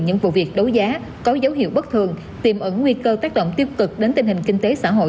những vụ việc đấu giá có dấu hiệu bất thường tìm ẩn nguy cơ tác động tiêu cực đến tình hình kinh tế xã hội